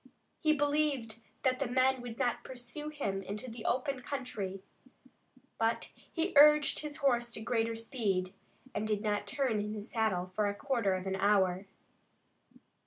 He believed that the men would not pursue him into the open country, but he urged his horse to greater speed, and did not turn in his saddle for a quarter of an hour.